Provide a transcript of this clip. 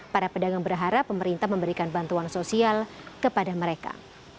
para pedagang berharap pemerintah memberikan bantuan sosial kepada mereka